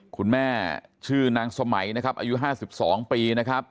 คุณแม่ชื่อนางสมัยอายุ๑๕ปีนั้นครับ